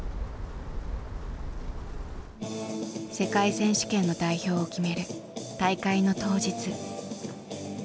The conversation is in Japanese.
世界選手権の代表を決める大会の当日。